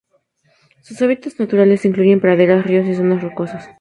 Sus hábitats naturales incluyen praderas, ríos y zonas rocosas.